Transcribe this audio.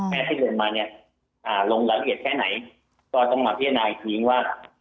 ที่เดินมาเนี่ยลงรายละเอียดแค่ไหนก็ต้องมาพิจารณาอีกทีว่า